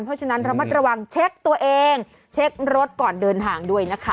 เพราะฉะนั้นระมัดระวังเช็คตัวเองเช็ครถก่อนเดินทางด้วยนะคะ